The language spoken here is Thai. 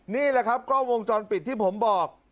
นี่แหละครับกล้องวงจรปิดที่ผมบอก